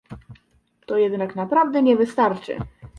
To jednak naprawdę nie wystarczy